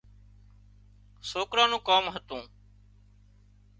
سوڪران نُون ڪام هتون